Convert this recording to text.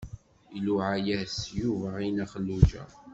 Iluɛa-yas Yuba i Nna Xelluǧa.